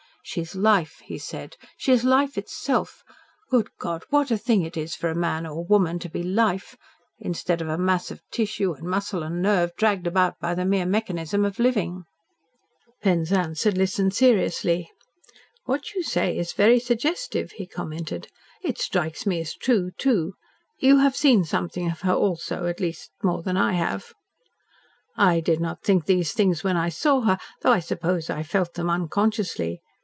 "She's Life!" he said. "She's Life itself! Good God! what a thing it is for a man or woman to be Life instead of a mass of tissue and muscle and nerve, dragged about by the mere mechanism of living!" Penzance had listened seriously. "What you say is very suggestive," he commented. "It strikes me as true, too. You have seen something of her also, at least more than I have." "I did not think these things when I saw her though I suppose I felt them unconsciously.